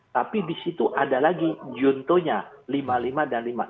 tapi di situ ada lagi juntonya lima puluh lima dan lima puluh enam